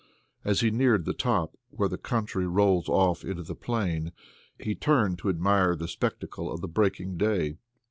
As he neared the top, where the country rolls off into the plain, he turned to admire the spectacle of the breaking day.